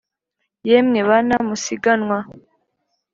yemwe bana musiganwa